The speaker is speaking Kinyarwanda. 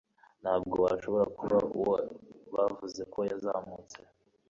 Ntabwo washobora kuba uwo bavuga ko yazamutse